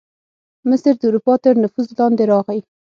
مصر د اروپا تر نفوذ لاندې راغی.